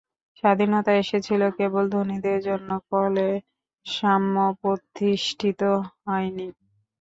স্বাধীনতা এসেছিল কেবল ধনীদের জন্য, ফলে সাম্য প্রতিষ্ঠিত হয়নি।